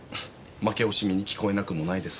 負け惜しみに聞こえなくもないですが。